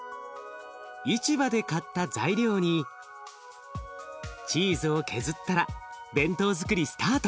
市場で買った材料にチーズを削ったら弁当づくりスタート。